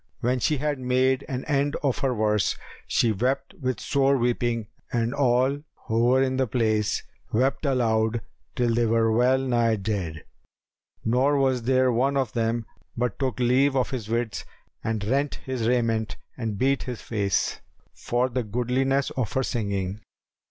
When she had made an end of her verse, she wept with sore weeping and all who were in the place wept aloud till they were well nigh dead; nor was there one of them but took leave of his wits and rent his raiment and beat his face, for the goodliness of her singing.